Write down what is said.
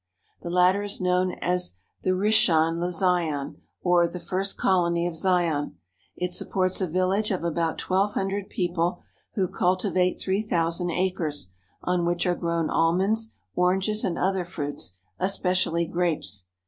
The latter is known as the Rishon le Zion, or "the first colony of Zion/' It supports a village of about twelve hundred people, who cultivate three thousand acres, on which are grown almonds, oranges, and other fruits, es pecially grapes.